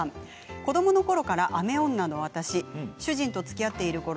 子どものころから雨女の私主人とつきあっているころ